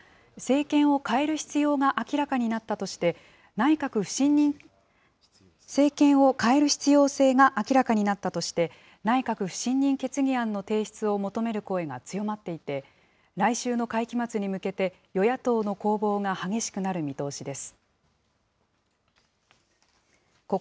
これに対し野党側は、政権を変える必要性が明らかになったとして、内閣不信任決議案の提出を強める声が高まっていて、来週の会期末に向けて与野党の攻防が、激しくなる見通しです。